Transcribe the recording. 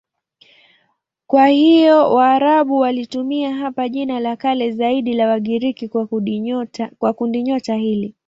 Kwa hiyo Waarabu walitumia hapa jina la kale zaidi la Wagiriki kwa kundinyota hili.